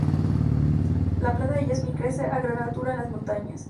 La planta de jazmín crece a gran altura en las montañas.